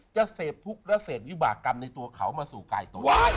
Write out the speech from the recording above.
จะเสพทุกข์และเสพวิบากรรมในตัวเขามาสู่กายตัว